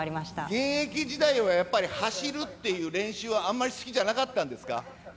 現役時代はやっぱり、走るっていう練習は、あんまり好きじゃなかったんですか？